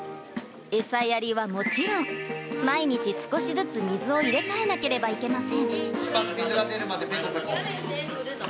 餌やりはもちろん、毎日、少しずつ水を入れ替えなければいけません。